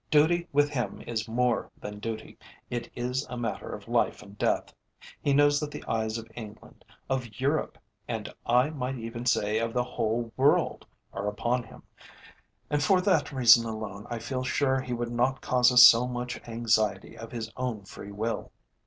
Duty with him is more than duty, it is a matter of life and death; he knows that the eyes of England, of Europe, and I might even say of the whole world, are upon him, and for that reason alone I feel sure he would not cause us so much anxiety of his own free will."